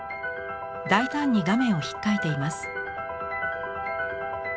大胆に画面をひっかいています。